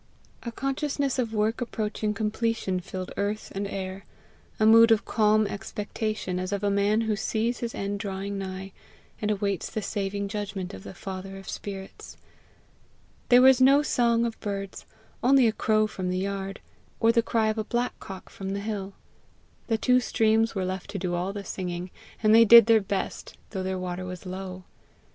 A consciousness of work approaching completion filled earth and air a mood of calm expectation, as of a man who sees his end drawing nigh, and awaits the saving judgment of the father of spirits. There was no song of birds only a crow from the yard, or the cry of a blackcock from the hill; the two streams were left to do all the singing, and they did their best, though their water was low.